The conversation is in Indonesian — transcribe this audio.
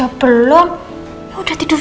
ambar enggak bayang mereka